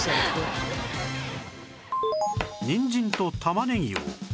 にんじんと玉ねぎを